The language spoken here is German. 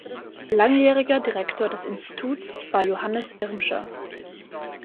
Langjähriger Direktor des Instituts war Johannes Irmscher.